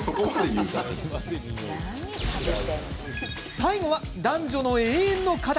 最後は、男女の永遠の課題